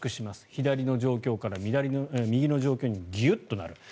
左の状況から右の状況にギュッとなる。